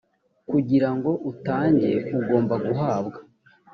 kugira ngo utange ugomba guhabwa.